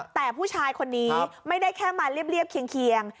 แต่ผู้ชายคนนี้ไม่ได้แค่มาเรียบเคียง